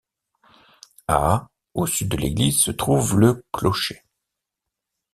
À au sud de l'église se trouve le clocher.